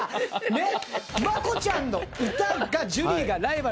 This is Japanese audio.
ねっ？